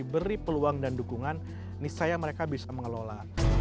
mereka bisa mendukungan nisaya mereka bisa mengelola